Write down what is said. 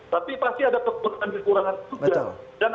tapi pasti ada kekurangan kekurangan juga